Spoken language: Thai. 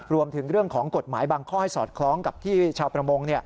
รวมถึงเรื่องของกฎหมายบางข้อให้สอดคล้องกับที่ชาวประมง